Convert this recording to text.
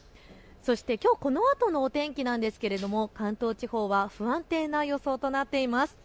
きょうこのあとのお天気なんですが関東地方は不安定な予想となっています。